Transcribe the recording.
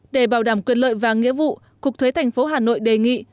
để bảo đảm quyền lợi và nghĩa vụ cục thuế tp hà nội đề nghị